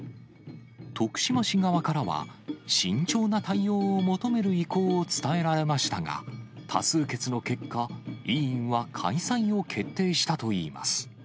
徳島市側からは慎重な対応を求める意向を伝えられましたが、多数決の結果、委員は開催を決定したといいます。